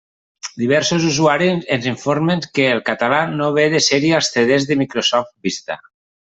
Diversos usuaris ens informen que el català no ve de sèrie als CD de Microsoft Vista.